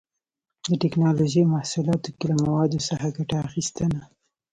د ټېکنالوجۍ محصولاتو کې له موادو څخه ګټه اخیستنه